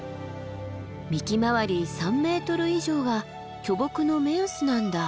幹回り３ｍ以上が巨木の目安なんだ。